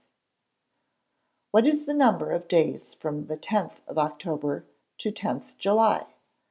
What is the number of days from 10th of October to 10th July?